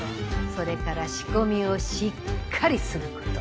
それから仕込みをしっかりすること。